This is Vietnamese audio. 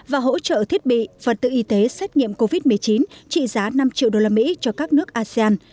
và hỗ trợ thiết bị vật tự y tế xét nghiệm covid một mươi chín trị giá năm triệu đô la mỹ cho các nước asean